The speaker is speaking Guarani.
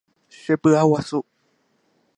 Chepy'aguasu.